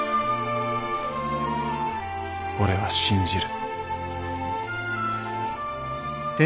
俺は信じる。